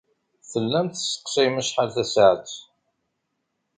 Tellam tesseqsayem acḥal tasaɛet.